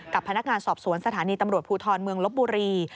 กับพนักงานสอบสวนสถานีตำรวจภูทรเมืองลบบุรี